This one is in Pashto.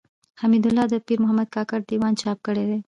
حمدالله د پيرمحمد کاکړ د ېوان چاپ کړی دﺉ.